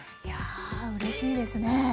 いやうれしいですね！